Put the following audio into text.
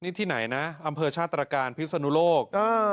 นี่ที่ไหนนะอำเภอชาติตรการพิศนุโลก